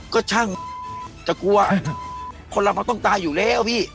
ก็ช่างจะกลัวคนเรามันต้องตายอยู่แล้วพี่